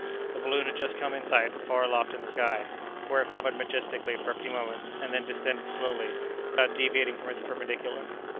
The balloon had just come in sight, far aloft in the sky, where it hovered majestically for a few moments, and then descended slowly, without deviating from its perpendicular.